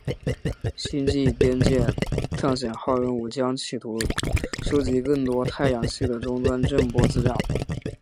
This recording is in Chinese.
星际边界探险号任务将企图收集更多太阳系的终端震波资料。